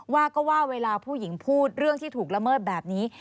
ว่าก็ว่าเวลาผู้หญิงพูดเรื่องที่ถูกละเมิดแบบนี้